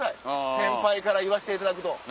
先輩から言わしていただくと。